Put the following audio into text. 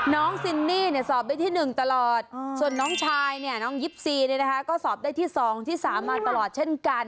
ซินนี่สอบได้ที่๑ตลอดส่วนน้องชายเนี่ยน้อง๒๔ก็สอบได้ที่๒ที่๓มาตลอดเช่นกัน